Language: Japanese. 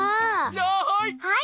じゃあはい！